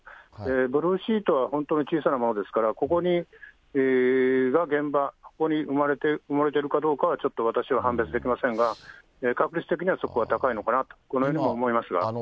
ブルーシートは本当に小さいものですから、ここに、現場、ここに埋もれているかどうかはちょっと私は判別できませんが、確率的にはそこが高いのかなと、このように思いますが。